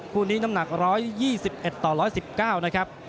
คู่นี้น้ำหนัก๑๒๑ต่อ๑๑๙นะครับ